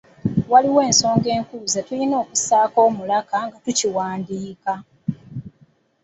Waliwo ensonga enkulu ze tulina okussaako omulaka nga tukiwandiika.